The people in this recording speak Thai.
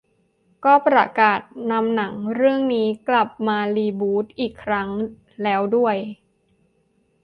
ก็ประกาศนำหนังเรื่องนี้กลับมารีบูตอีกครั้งแล้วด้วย